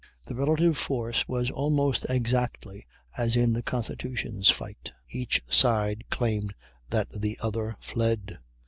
The relative force was almost exactly as in the Constitution's fight. Each side claimed that the other fled.